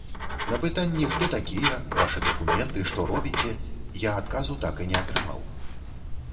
На пытанні, хто такія, вашы дакументы, што робіце, я адказу так і не атрымаў.